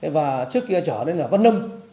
và trước kia trở đến là văn âm